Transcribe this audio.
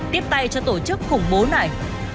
tiếp tay cho tổ chức khủng bố này